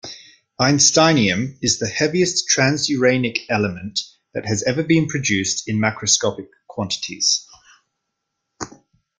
Einsteinium is the heaviest transuranic element that has ever been produced in macroscopic quantities.